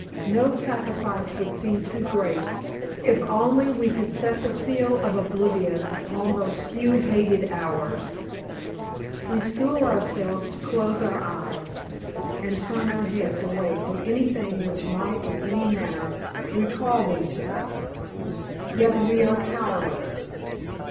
No sacrifice would seem too great if only we could set the seal of oblivion upon those few hated hours. We school ourselves to close our eyes, and turn our heads away from anything which might in any manner recall them to us. Yet we are powerless.